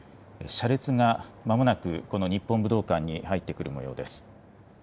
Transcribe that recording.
車列がまもなくこの日本武道館に入ってくるもようです。